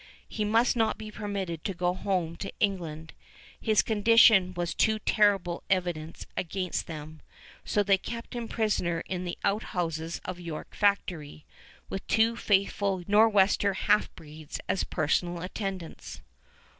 He must not be permitted to go home to England. His condition was too terrible evidence against them; so they kept him prisoner in the outhouses of York Factory, with two faithful Nor'wester half breeds as personal attendants.